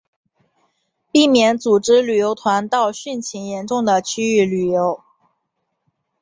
避免组织旅游团到汛情严重的区域旅游